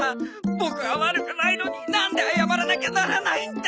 ボクは悪くないのになんで謝らなきゃならないんだ！